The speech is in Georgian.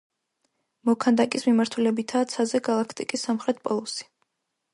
მოქანდაკის მიმართულებითაა ცაზე გალაქტიკის სამხრეთ პოლუსი.